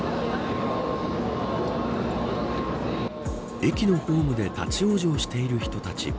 駅のホームで立ち往生している人たち。